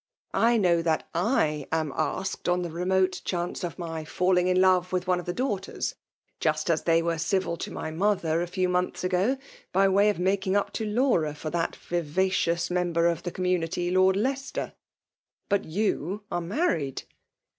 I know that / am asked on the renote chance of my falling in love with one of the daughters, just as they were civil to my mother a few months ago, by way of making up to Laum for that vivacious member of the eonmnmty, lord Leicester. But yon are married."